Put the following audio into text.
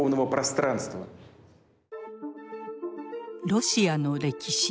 ロシアの歴史。